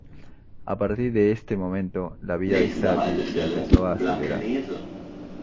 A partir de este momento, la vida de Satie se empezó a acelerar.